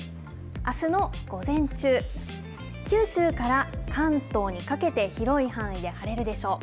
あすの午前中、九州から関東にかけて、広い範囲で晴れるでしょう。